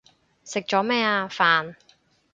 食咗咩啊？飯